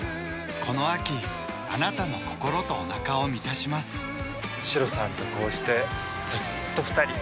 この秋あなたの心とおなかを満たしますシロさんとこうしてずっと２人。